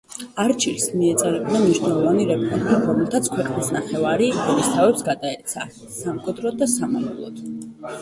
არჩილს მიეწერება მნიშვნელოვანი რეფორმა, რომლითაც ქვეყნის ნახევარი ერისთავებს გადაეცა სამკვიდროდ და სამამულოდ.